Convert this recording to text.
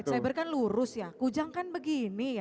cyber kan lurus ya kujang kan begini ya